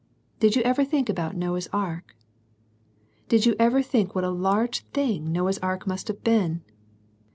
Did you ever think about Noah's Ark? Did you ever think what a large thing Noah's Ark must have been